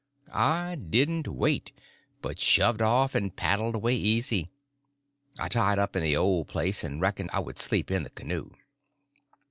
I didn't wait, but shoved out and paddled away easy. I tied up in the old place, and reckoned I would sleep in the canoe.